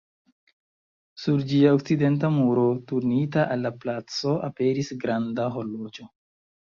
Sur ĝia okcidenta muro, turnita al la placo, aperis granda horloĝo.